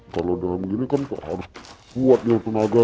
kalau dalam begini kan harus kuat ya tenaga